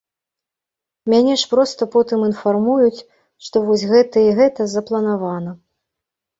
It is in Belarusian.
Мяне ж проста потым інфармуюць, што вось гэта і гэта запланавана.